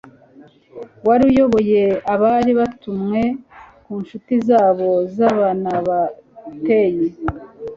wari uyoboye abari batumwe ku ncuti zabo z'abanabateyi